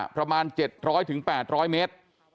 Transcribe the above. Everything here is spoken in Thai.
ประมาณ๗๐๐๘๐๐เมตร